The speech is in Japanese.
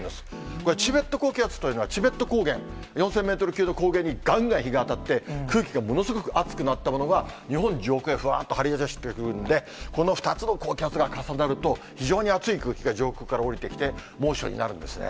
これ、チベット高気圧というのは、チベット高原、４０００メートル級の高原にがんがん日が当たって、空気がものすごくあつくなったものが、日本上空へふわーっと張り出してくるんで、この２つの高気圧が重なると、非常に暑い空気が上空から下りてきて、猛暑になるんですね。